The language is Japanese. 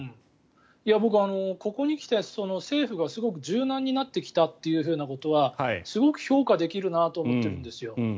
ここに来て政府がすごく柔軟になってきたということはすごく評価できるなと思ってるんですよ。